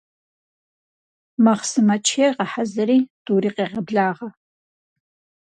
Махъсымэ чей гъэхьэзыри, тӏури къегъэблагъэ.